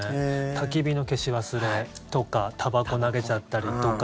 たき火の消し忘れとかたばこ投げちゃったりとか。